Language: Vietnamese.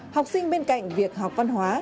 học sinh bên cạnh việc học văn hóa